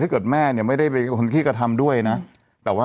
ถ้าแม่ไม่ได้เป็นคนคิดค่าทำด้วยนะ